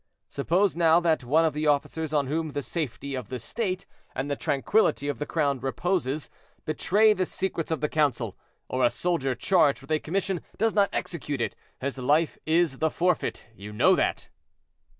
Suppose now that one of the officers on whom the safety of the state and the tranquillity of the crown reposes, betray the secrets of the council, or a soldier charged with a commission does not execute it, his life is the forfeit; you know that?"